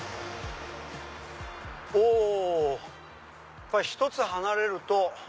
やっぱ１つ離れると。